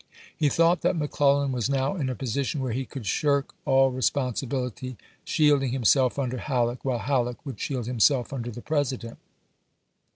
He thought that McClellan was now in a position where he could shirk all responsibility, shielding himself under Halleck, while Halleck would shield himself under the President.